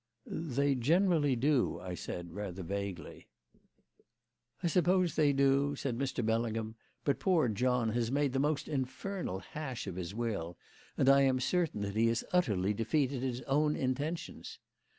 "They generally do," I said, rather vaguely. "I suppose they do," said Mr. Bellingham; "but poor John has made the most infernal hash of his will, and I am certain that he has utterly defeated his own intentions.